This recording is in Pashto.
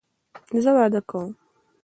زه واده کوم